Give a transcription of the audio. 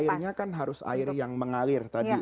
airnya kan harus air yang mengalir tadi